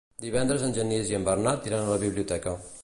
Divendres en Genís i en Bernat iran a la biblioteca.